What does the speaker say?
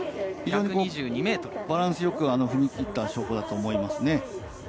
バランスよく踏み切った証拠だと思いますね。